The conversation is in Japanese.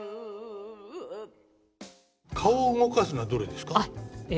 顔を動かすのはどれですか。